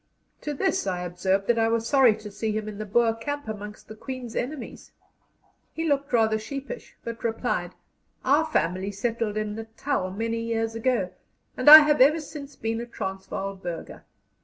To this I observed that I was sorry to see him in the Boer camp amongst the Queen's enemies. He looked rather sheepish, but replied: "Our family settled in Natal many years ago, and I have ever since been a Transvaal burgher.